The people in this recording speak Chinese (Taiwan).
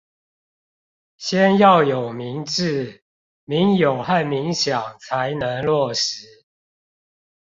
先要有民冶，民有和民享才能落實